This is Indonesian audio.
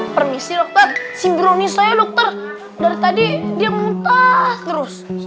permisi dokter sinkroni saya dokter dari tadi dia muntah terus